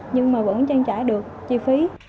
nhưng mà vẫn chăng trả được chi phí